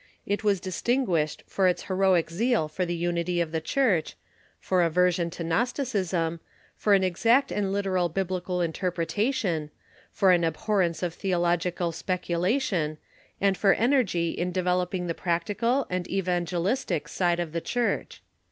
It was North Africa °' distinguished for its heroic zeal for the unity of the Church, for aversion to Gnosticism, for an exact and literal Biblical interpretation, for an abhorrence of theological spec ulation, and for energy in developing the practical and evan gelistic side of the Church.